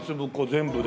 全部で。